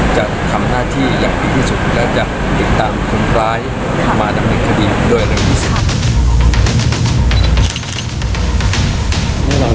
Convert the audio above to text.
จะทำหน้าที่อย่างดีที่สุดและจะติดตามคนร้ายมาดำเนินคดีด้วยเร็วที่สุด